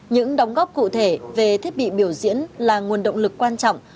những đóng góp cụ thể về thiết bị biểu diễn là nguồn động lực quan trọng